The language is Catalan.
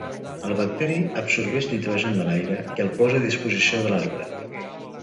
El bacteri absorbeix nitrogen de l'aire i el posa a disposició de l'arbre.